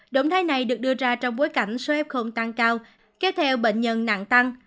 động thái này được đưa ra trong bối cảnh số f tăng cao kéo theo bệnh nhân nặng tăng